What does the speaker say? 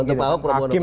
kecil begitu ya kalau